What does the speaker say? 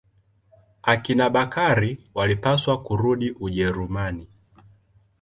Akina Bakari walipaswa kurudi Ujerumani.